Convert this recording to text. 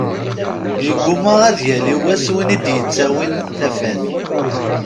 Yegguma ad yali wass win i d-yettawin tafat.